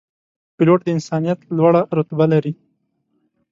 پیلوټ د انسانیت لوړه رتبه لري.